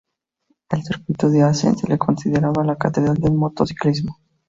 Al Circuito de Assen se le considerada "La Catedral del Motociclismo".